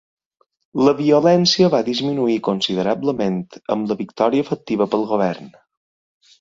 La violència va disminuir considerablement, amb la victòria efectiva pel govern.